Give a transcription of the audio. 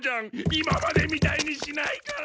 今までみたいにしないから！